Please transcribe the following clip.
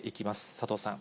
佐藤さん。